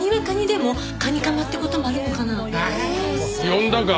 呼んだか？